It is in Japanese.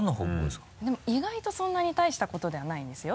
でも意外とそんなにたいしたことではないんですよ。